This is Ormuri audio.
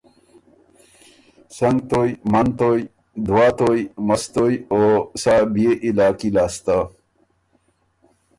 سنګ تویٛ، منتویٛ، دوه تویٛ، مستویٛ او سا پئ بيې علاقي لاسته